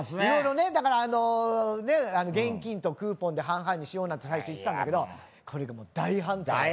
いろいろねだから現金とクーポンで半々にしようなんて最初言ってたけどこれが大反対。